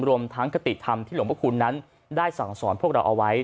รวมทั้งคติธรรมที่หลวงพระคุณนั้นได้สั่งสอนพวกเราเอาไว้